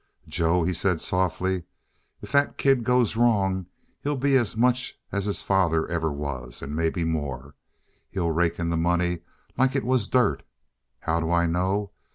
"Joe," he said softly, "if that kid goes wrong, he'll be as much as his father ever was and maybe more. He'll rake in the money like it was dirt. How do I know?